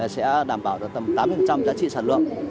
sẽ đảm bảo được tầm tám mươi giá trị sản lượng